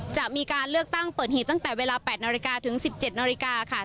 จะมีการเลือกตั้งเปิดหิตตั้งแต่เวลา๘นถึง๑๗นค่ะ